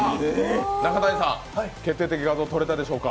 中谷さん、決定的画像撮れたでしょうか。